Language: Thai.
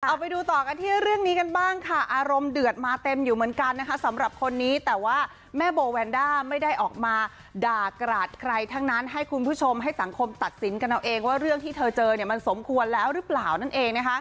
เอาไปดูต่อกันที่เรื่องนี้กันบ้างค่ะอารมณ์เดือดมาเต็มอยู่เหมือนกันนะคะสำหรับคนนี้แต่ว่าแม่โบแวนด้าไม่ได้ออกมาด่ากราดใครทั้งนั้นให้คุณผู้ชมให้สังคมตัดสินกันเอาเองว่าเรื่องที่เธอเจอเนี่ยมันสมควรแล้วหรือเปล่านั่นเองนะคะ